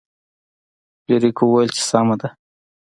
فلیریک وویل چې سمه ده.